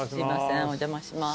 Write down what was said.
お邪魔します。